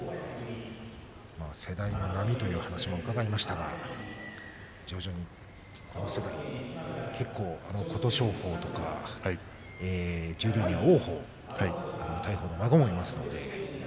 世代の波という話も伺いましたが徐々にこの世代、琴勝峰とか十両には王鵬大鵬の孫もいます。